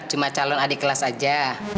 cuma calon adik kelas aja